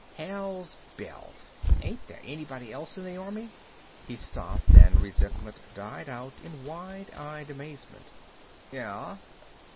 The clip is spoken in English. Hell's bells! Ain't there anybody else in the army—" He stopped, and resentment died out in wide eyed amazement. "Yeh....